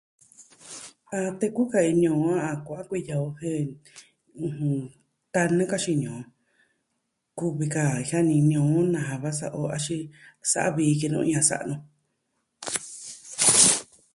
A teku ka ini o a kua'an kuiya o jen ɨjɨn, tan nakaxii ini o kuvi kaa, jianini o naja va sa'a o axin savi kinoo ni a sa'a noo.